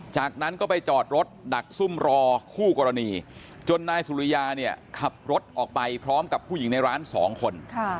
จากนั้นก็ไปจอดรถดักซุ่มรอคู่กรณีจนนายสุริยาเนี่ยขับรถออกไปพร้อมกับผู้หญิงในร้าน๒คน